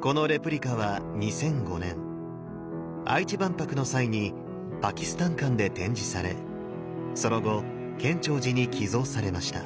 このレプリカは２００５年愛知万博の際にパキスタン館で展示されその後建長寺に寄贈されました。